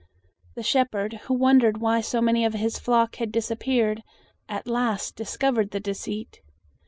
The shepherd, who wondered why so many of his flock had disappeared, at last discovered the deceit.